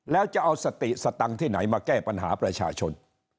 แล้วจะเอาสติสตังค์ที่ไหนมาแก้ปัญหาประชาชน